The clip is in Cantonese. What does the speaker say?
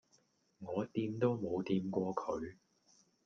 我掂都冇掂過佢